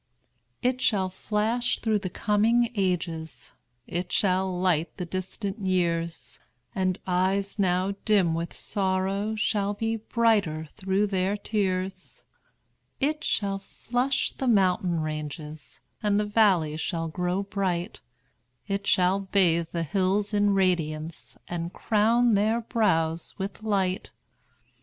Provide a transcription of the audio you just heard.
It shall flash through coming ages, It shall light the distant years; And eyes now dim with sorrow Shall be brighter through their tears. It shall flush the mountain ranges, And the valleys shall grow bright; It shall bathe the hills in radiance, And crown their brows with light.